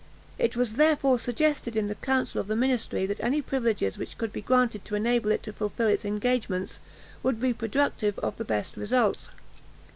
It was therefore suggested in the council of the ministry, that any privileges which could be granted to enable it to fulfil its engagements, would be productive of the best results.